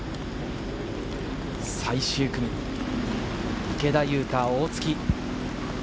最終組、池田勇太、大槻。